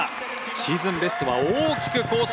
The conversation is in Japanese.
シーズンベストは大きく更新！